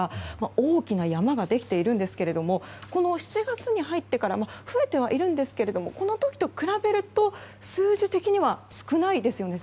大きな山ができていますがこの７月に入ってから増えてはいるんですけれどもこの時と比べると数字的には少ないですよね。